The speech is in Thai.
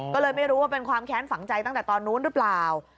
ก็เลยไม่รู้ว่าเป็นความแค้นฝังใจตั้งแต่ตอนนู้นหรือเปล่า